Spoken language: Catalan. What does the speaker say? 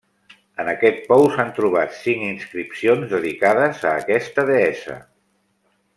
En aquest pou s'han trobat cinc inscripcions dedicades a aquesta deessa.